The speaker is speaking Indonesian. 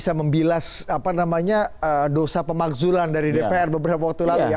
jadi ini adalah dosa pemakzulan dari dpr beberapa waktu lalu ya